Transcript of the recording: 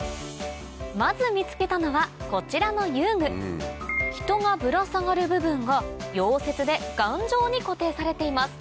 まず見つけたのはこちらの遊具人がぶら下がる部分が溶接で頑丈に固定されています